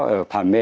ở thảm mê